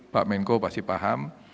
pak menko pasti paham